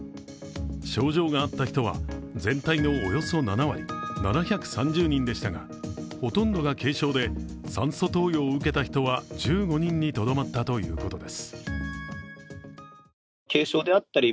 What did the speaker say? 症状があった人は、全体のおよそ７割、７３０人でしたがほとんどが軽症で、酸素投与を受けた人は１５人にとどまったということです。